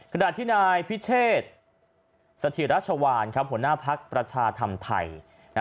ขณะที่นายพิเชษสถิราชวานหัวหน้าภักดิ์ประชาธรรมไทย